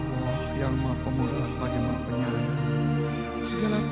yang diberikan oleh pani yang willis tetap hajar dan mengembalikan alkun ratu